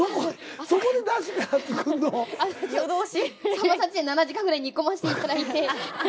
さんまさんちで７時間ぐらい煮込ませていただいて。